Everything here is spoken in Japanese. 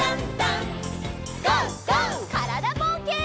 からだぼうけん。